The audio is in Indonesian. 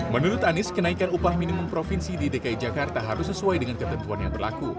menurut anies kenaikan upah minimum provinsi di dki jakarta harus sesuai dengan ketentuan yang berlaku